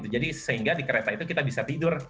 jadi sehingga di kereta itu kita bisa tidur